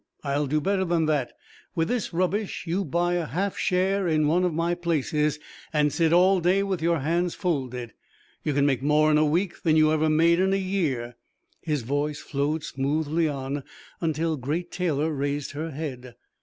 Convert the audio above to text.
I'll do better than that. With this rubbish you buy a half share in one of my places and sit all day with your hands folded. You can make more in a week than you ever made in a year...." His voice flowed smoothly on until Great Taylor raised her head.